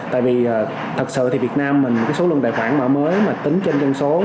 tại vì thật sự thì việt nam mình cái số lượng tài khoản mở mới mà tính trên dân số